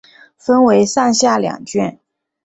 分为上下两卷。